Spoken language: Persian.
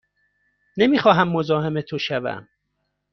نمی خواهم مزاحم تو شوم.